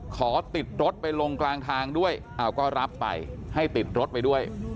ขอติดรถไปลงกลางทางด้วยก็รับไปให้ติดรถไปด้วย